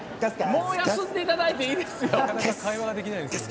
もう休んでいただいていいですよ！